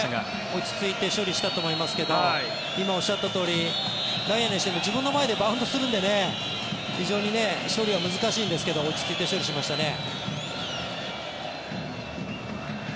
落ち着いて処理したと思いますが今、おっしゃったとおりライアンにしても自分の前でバウンドするので処理が難しいんですけど落ち着いて処理しましたね。